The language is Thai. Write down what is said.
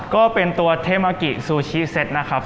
ก็เป็นตัวเทมากิซูชิเซ็ตนะครับ